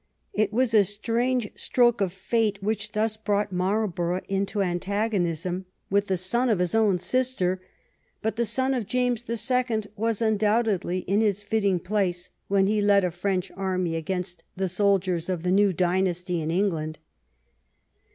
It was a strange stroke of fate which thus brought Marlborough into antagonism with 90 ON THE ROUGH EDGE OP BATTLE the son of his own sister, but the son of James the Second was undoubtedly in his fitting place when he led a French army against the soldiers of the new dynasty in England.